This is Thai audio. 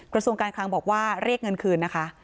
กระทรวงการคลังบอกว่าเรียกเงินคืนนะคะ